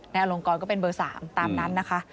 อลงกรก็เป็นเบอร์๓ตามนั้นนะคะ